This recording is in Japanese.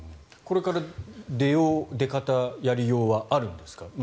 これから出よう、出方やりようはあるんですか？